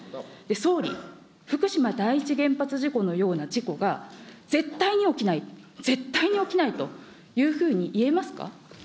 総理、福島第一原発事故のような事故が絶対に起きない、絶対に起きないというふうに言えますか。